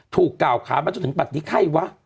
ถูกก่าวขามาจนถึงปัดนี้ใครวะ